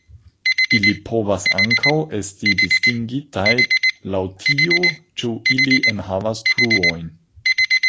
Ili povas ankaŭ esti distingitaj laŭ tio ĉu ili enhavas truojn.